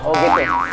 oh gitu ya